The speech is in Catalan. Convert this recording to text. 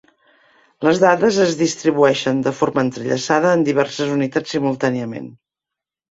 Les dades es distribueixen de forma entrellaçada en diverses unitats simultàniament.